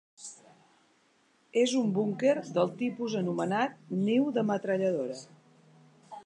És un búnquer del tipus anomenat, niu de metralladora.